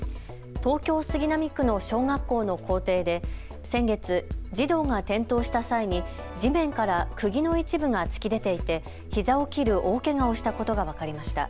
東京杉並区の小学校の校庭で先月、児童が転倒した際に地面から、くぎの一部が突き出ていてひざを切る大けがをしたことが分かりました。